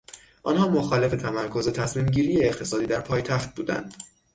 آنها مخالف تمرکز تصمیم گیری اقتصادی در پایتخت بودند.